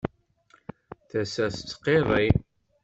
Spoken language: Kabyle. Tasa tettqiṛṛi.